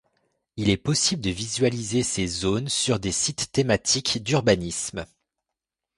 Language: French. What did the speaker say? Il est possible de visualiser ces zones sur des sites thématiques d'urbanisme.